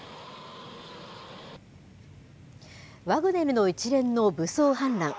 ワグネルの一連の武装反乱。